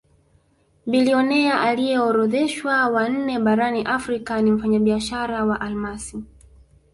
Bilionea aliyeorodheshwa wa nne barani Afrika ni mfanyabiashara wa almasi